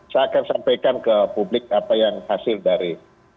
saya akan sampaikan ke publik apa yang hasil dari